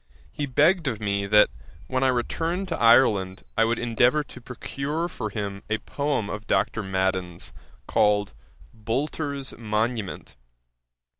he begged of me that when I returned to Ireland, I would endeavour to procure for him a poem of Dr. Madden's called Boulter's Monument.